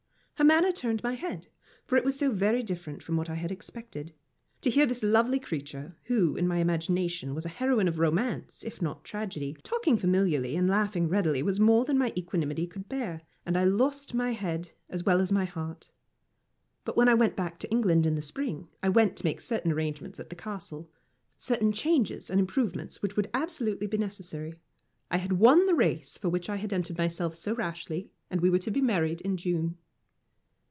Her manner turned my head, for it was so different from what I had expected. To hear this lovely creature, who, in my imagination, was a heroine of romance, if not of tragedy, talking familiarly and laughing readily was more than my equanimity could bear, and I lost my head as well as my heart. But when I went back to England in the spring, I went to make certain arrangements at the Castle certain changes and improvements which would be absolutely necessary. I had won the race for which I had entered myself so rashly, and we were to be married in June.